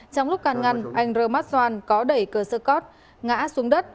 trong lúc can ngăn anh rơ móc doan có đẩy cờ sơ cót ngã xuống đất